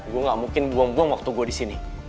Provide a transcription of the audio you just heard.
gue gak mungkin buang buang waktu gue disini